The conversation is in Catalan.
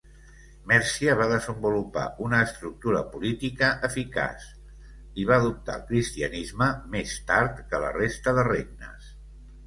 Mercia va desenvolupar una estructura política eficaç i va adoptar el cristianisme més tard que la resta de regnes.